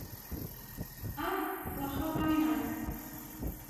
อ๊ะ เราเข้าได้นะ